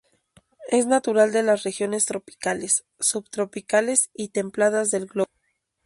Es natural de las regiones tropicales, subtropicales y templadas del globo.